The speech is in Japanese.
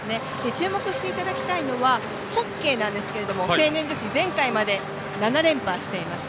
注目していただきたいのはホッケーなんですが成年女子、前回まで７連覇しています。